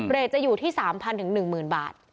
เรทจะอยู่ที่๓๐๐๐๑๐๐๐บาท